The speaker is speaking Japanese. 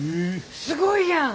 すごいやん。